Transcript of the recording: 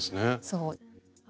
そう。